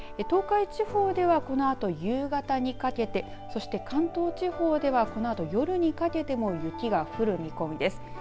東海地方ではこのあと夕方にかけてそして、関東地方ではこのあと夜にかけても雪が降る見込みです。